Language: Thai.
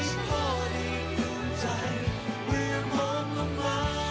ให้พ่อได้ภูมิใจเมื่อมองลงมา